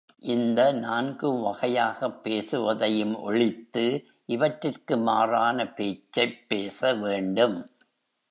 இந்த நான்கு வகையாகப் பேசுவதையும் ஒழித்து இவற்றிற்கு மாறான பேச்சைப் பேச வேண்டும்.